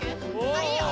あいいよ。